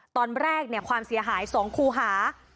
ตอนแรกเนี่ยความเสียหายสองครูหา